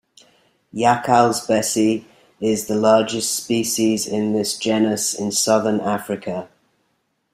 Jakkalsbessie is the largest species in this genus in Southern Africa.